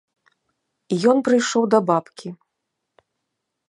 Ён прыйшоў да бабкі.